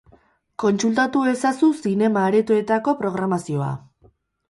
Kontsultatu ezazu zinema-aretoetako programazioa.